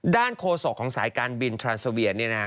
ด้านโคศกของสายการบินทรันสเซอเวียนเนี่ยนะฮะ